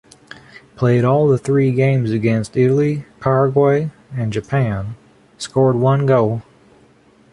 Played all the three games against Italy, Paraguay and Japan, scored one goal.